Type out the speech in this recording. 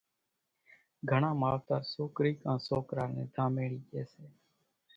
گھڻان ماوَتر سوڪرِي ڪان سوڪرا نين ڌاميڙِي ڄيَ سي۔